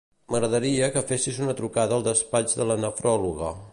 M'agradaria que fessis una trucada al despatx de la nefròloga.